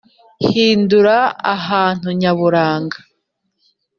hindura ahantu nyaburanga